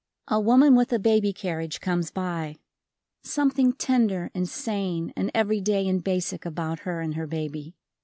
A woman with a baby carriage comes by. Something tender and sane and everyday and basic about her and her baby.